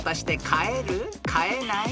飼えない？